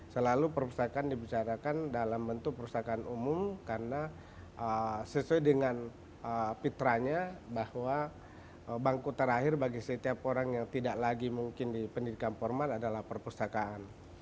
selalu perpustakaan dibicarakan dalam bentuk perpustakaan umum karena sesuai dengan pitranya bahwa bangku terakhir bagi setiap orang yang tidak lagi mungkin di pendidikan format adalah perpustakaan